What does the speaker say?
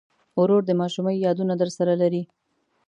ورور د ماشومۍ یادونه درسره لري.